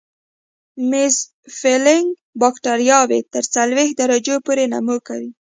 میزوفیلیک بکټریاوې تر څلوېښت درجو پورې نمو کوي.